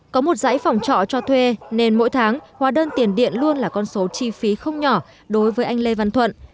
có một giải phòng trọ cho thuê nên mỗi tháng hóa đơn tiền điện luôn là con số chi phí không nhỏ đối với anh lê văn thuận